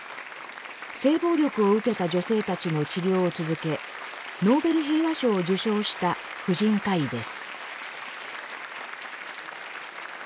性暴力を受けた女性たちの治療を続けノーベル平和賞を受賞した婦人科医です。